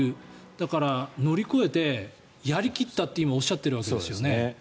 だから、乗り越えてやり切ったって今おっしゃっているわけですね。